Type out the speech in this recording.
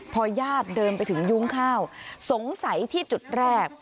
พอญาติเดินไปถึงยุ้งข้าวสงสัยที่จุดแรก